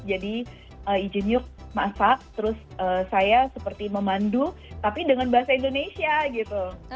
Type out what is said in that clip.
jadi izin ryuk masak terus saya seperti memandu tapi dengan bahasa indonesia gitu